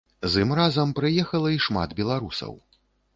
З ім разам прыехала і шмат беларусаў.